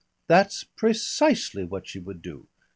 "That's precisely what she would do.